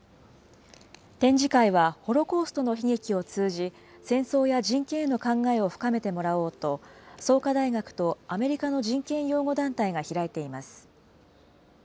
展示会は、ホロコーストの悲劇を通じ、戦争や人権への考えを深めてもらおうと、創価大学とアメリカの人権擁護団体が開いています。